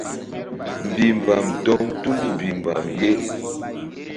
Mbih mbam dɔm tul mbihmbam ye.